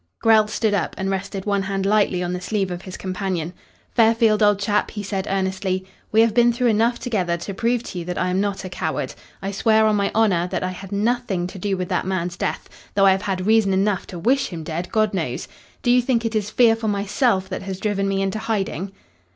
Grell stood up and rested one hand lightly on the sleeve of his companion. "Fairfield, old chap," he said earnestly, "we have been through enough together to prove to you that I am not a coward. I swear on my honour that I had nothing to do with that man's death though I have had reason enough to wish him dead, God knows. Do you think it is fear for myself that has driven me into hiding?"